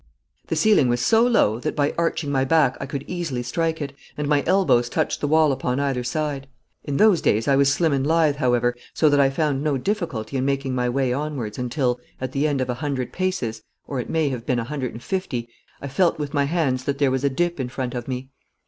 The ceiling was so low that by arching my back I could easily strike it, and my elbows touched the wall upon either side. In those days I was slim and lithe, however, so that I found no difficulty in making my way onwards until, at the end of a hundred paces, or it may have been a hundred and fifty, I felt with my hands that there was a dip in front of me.